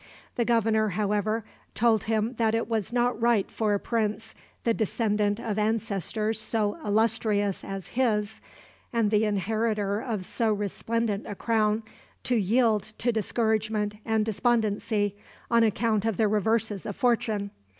The governor, however, told him that it was not right for a prince, the descendant of ancestors so illustrious as his, and the inheritor of so resplendent a crown, to yield to discouragement and despondency on account of the reverses of fortune.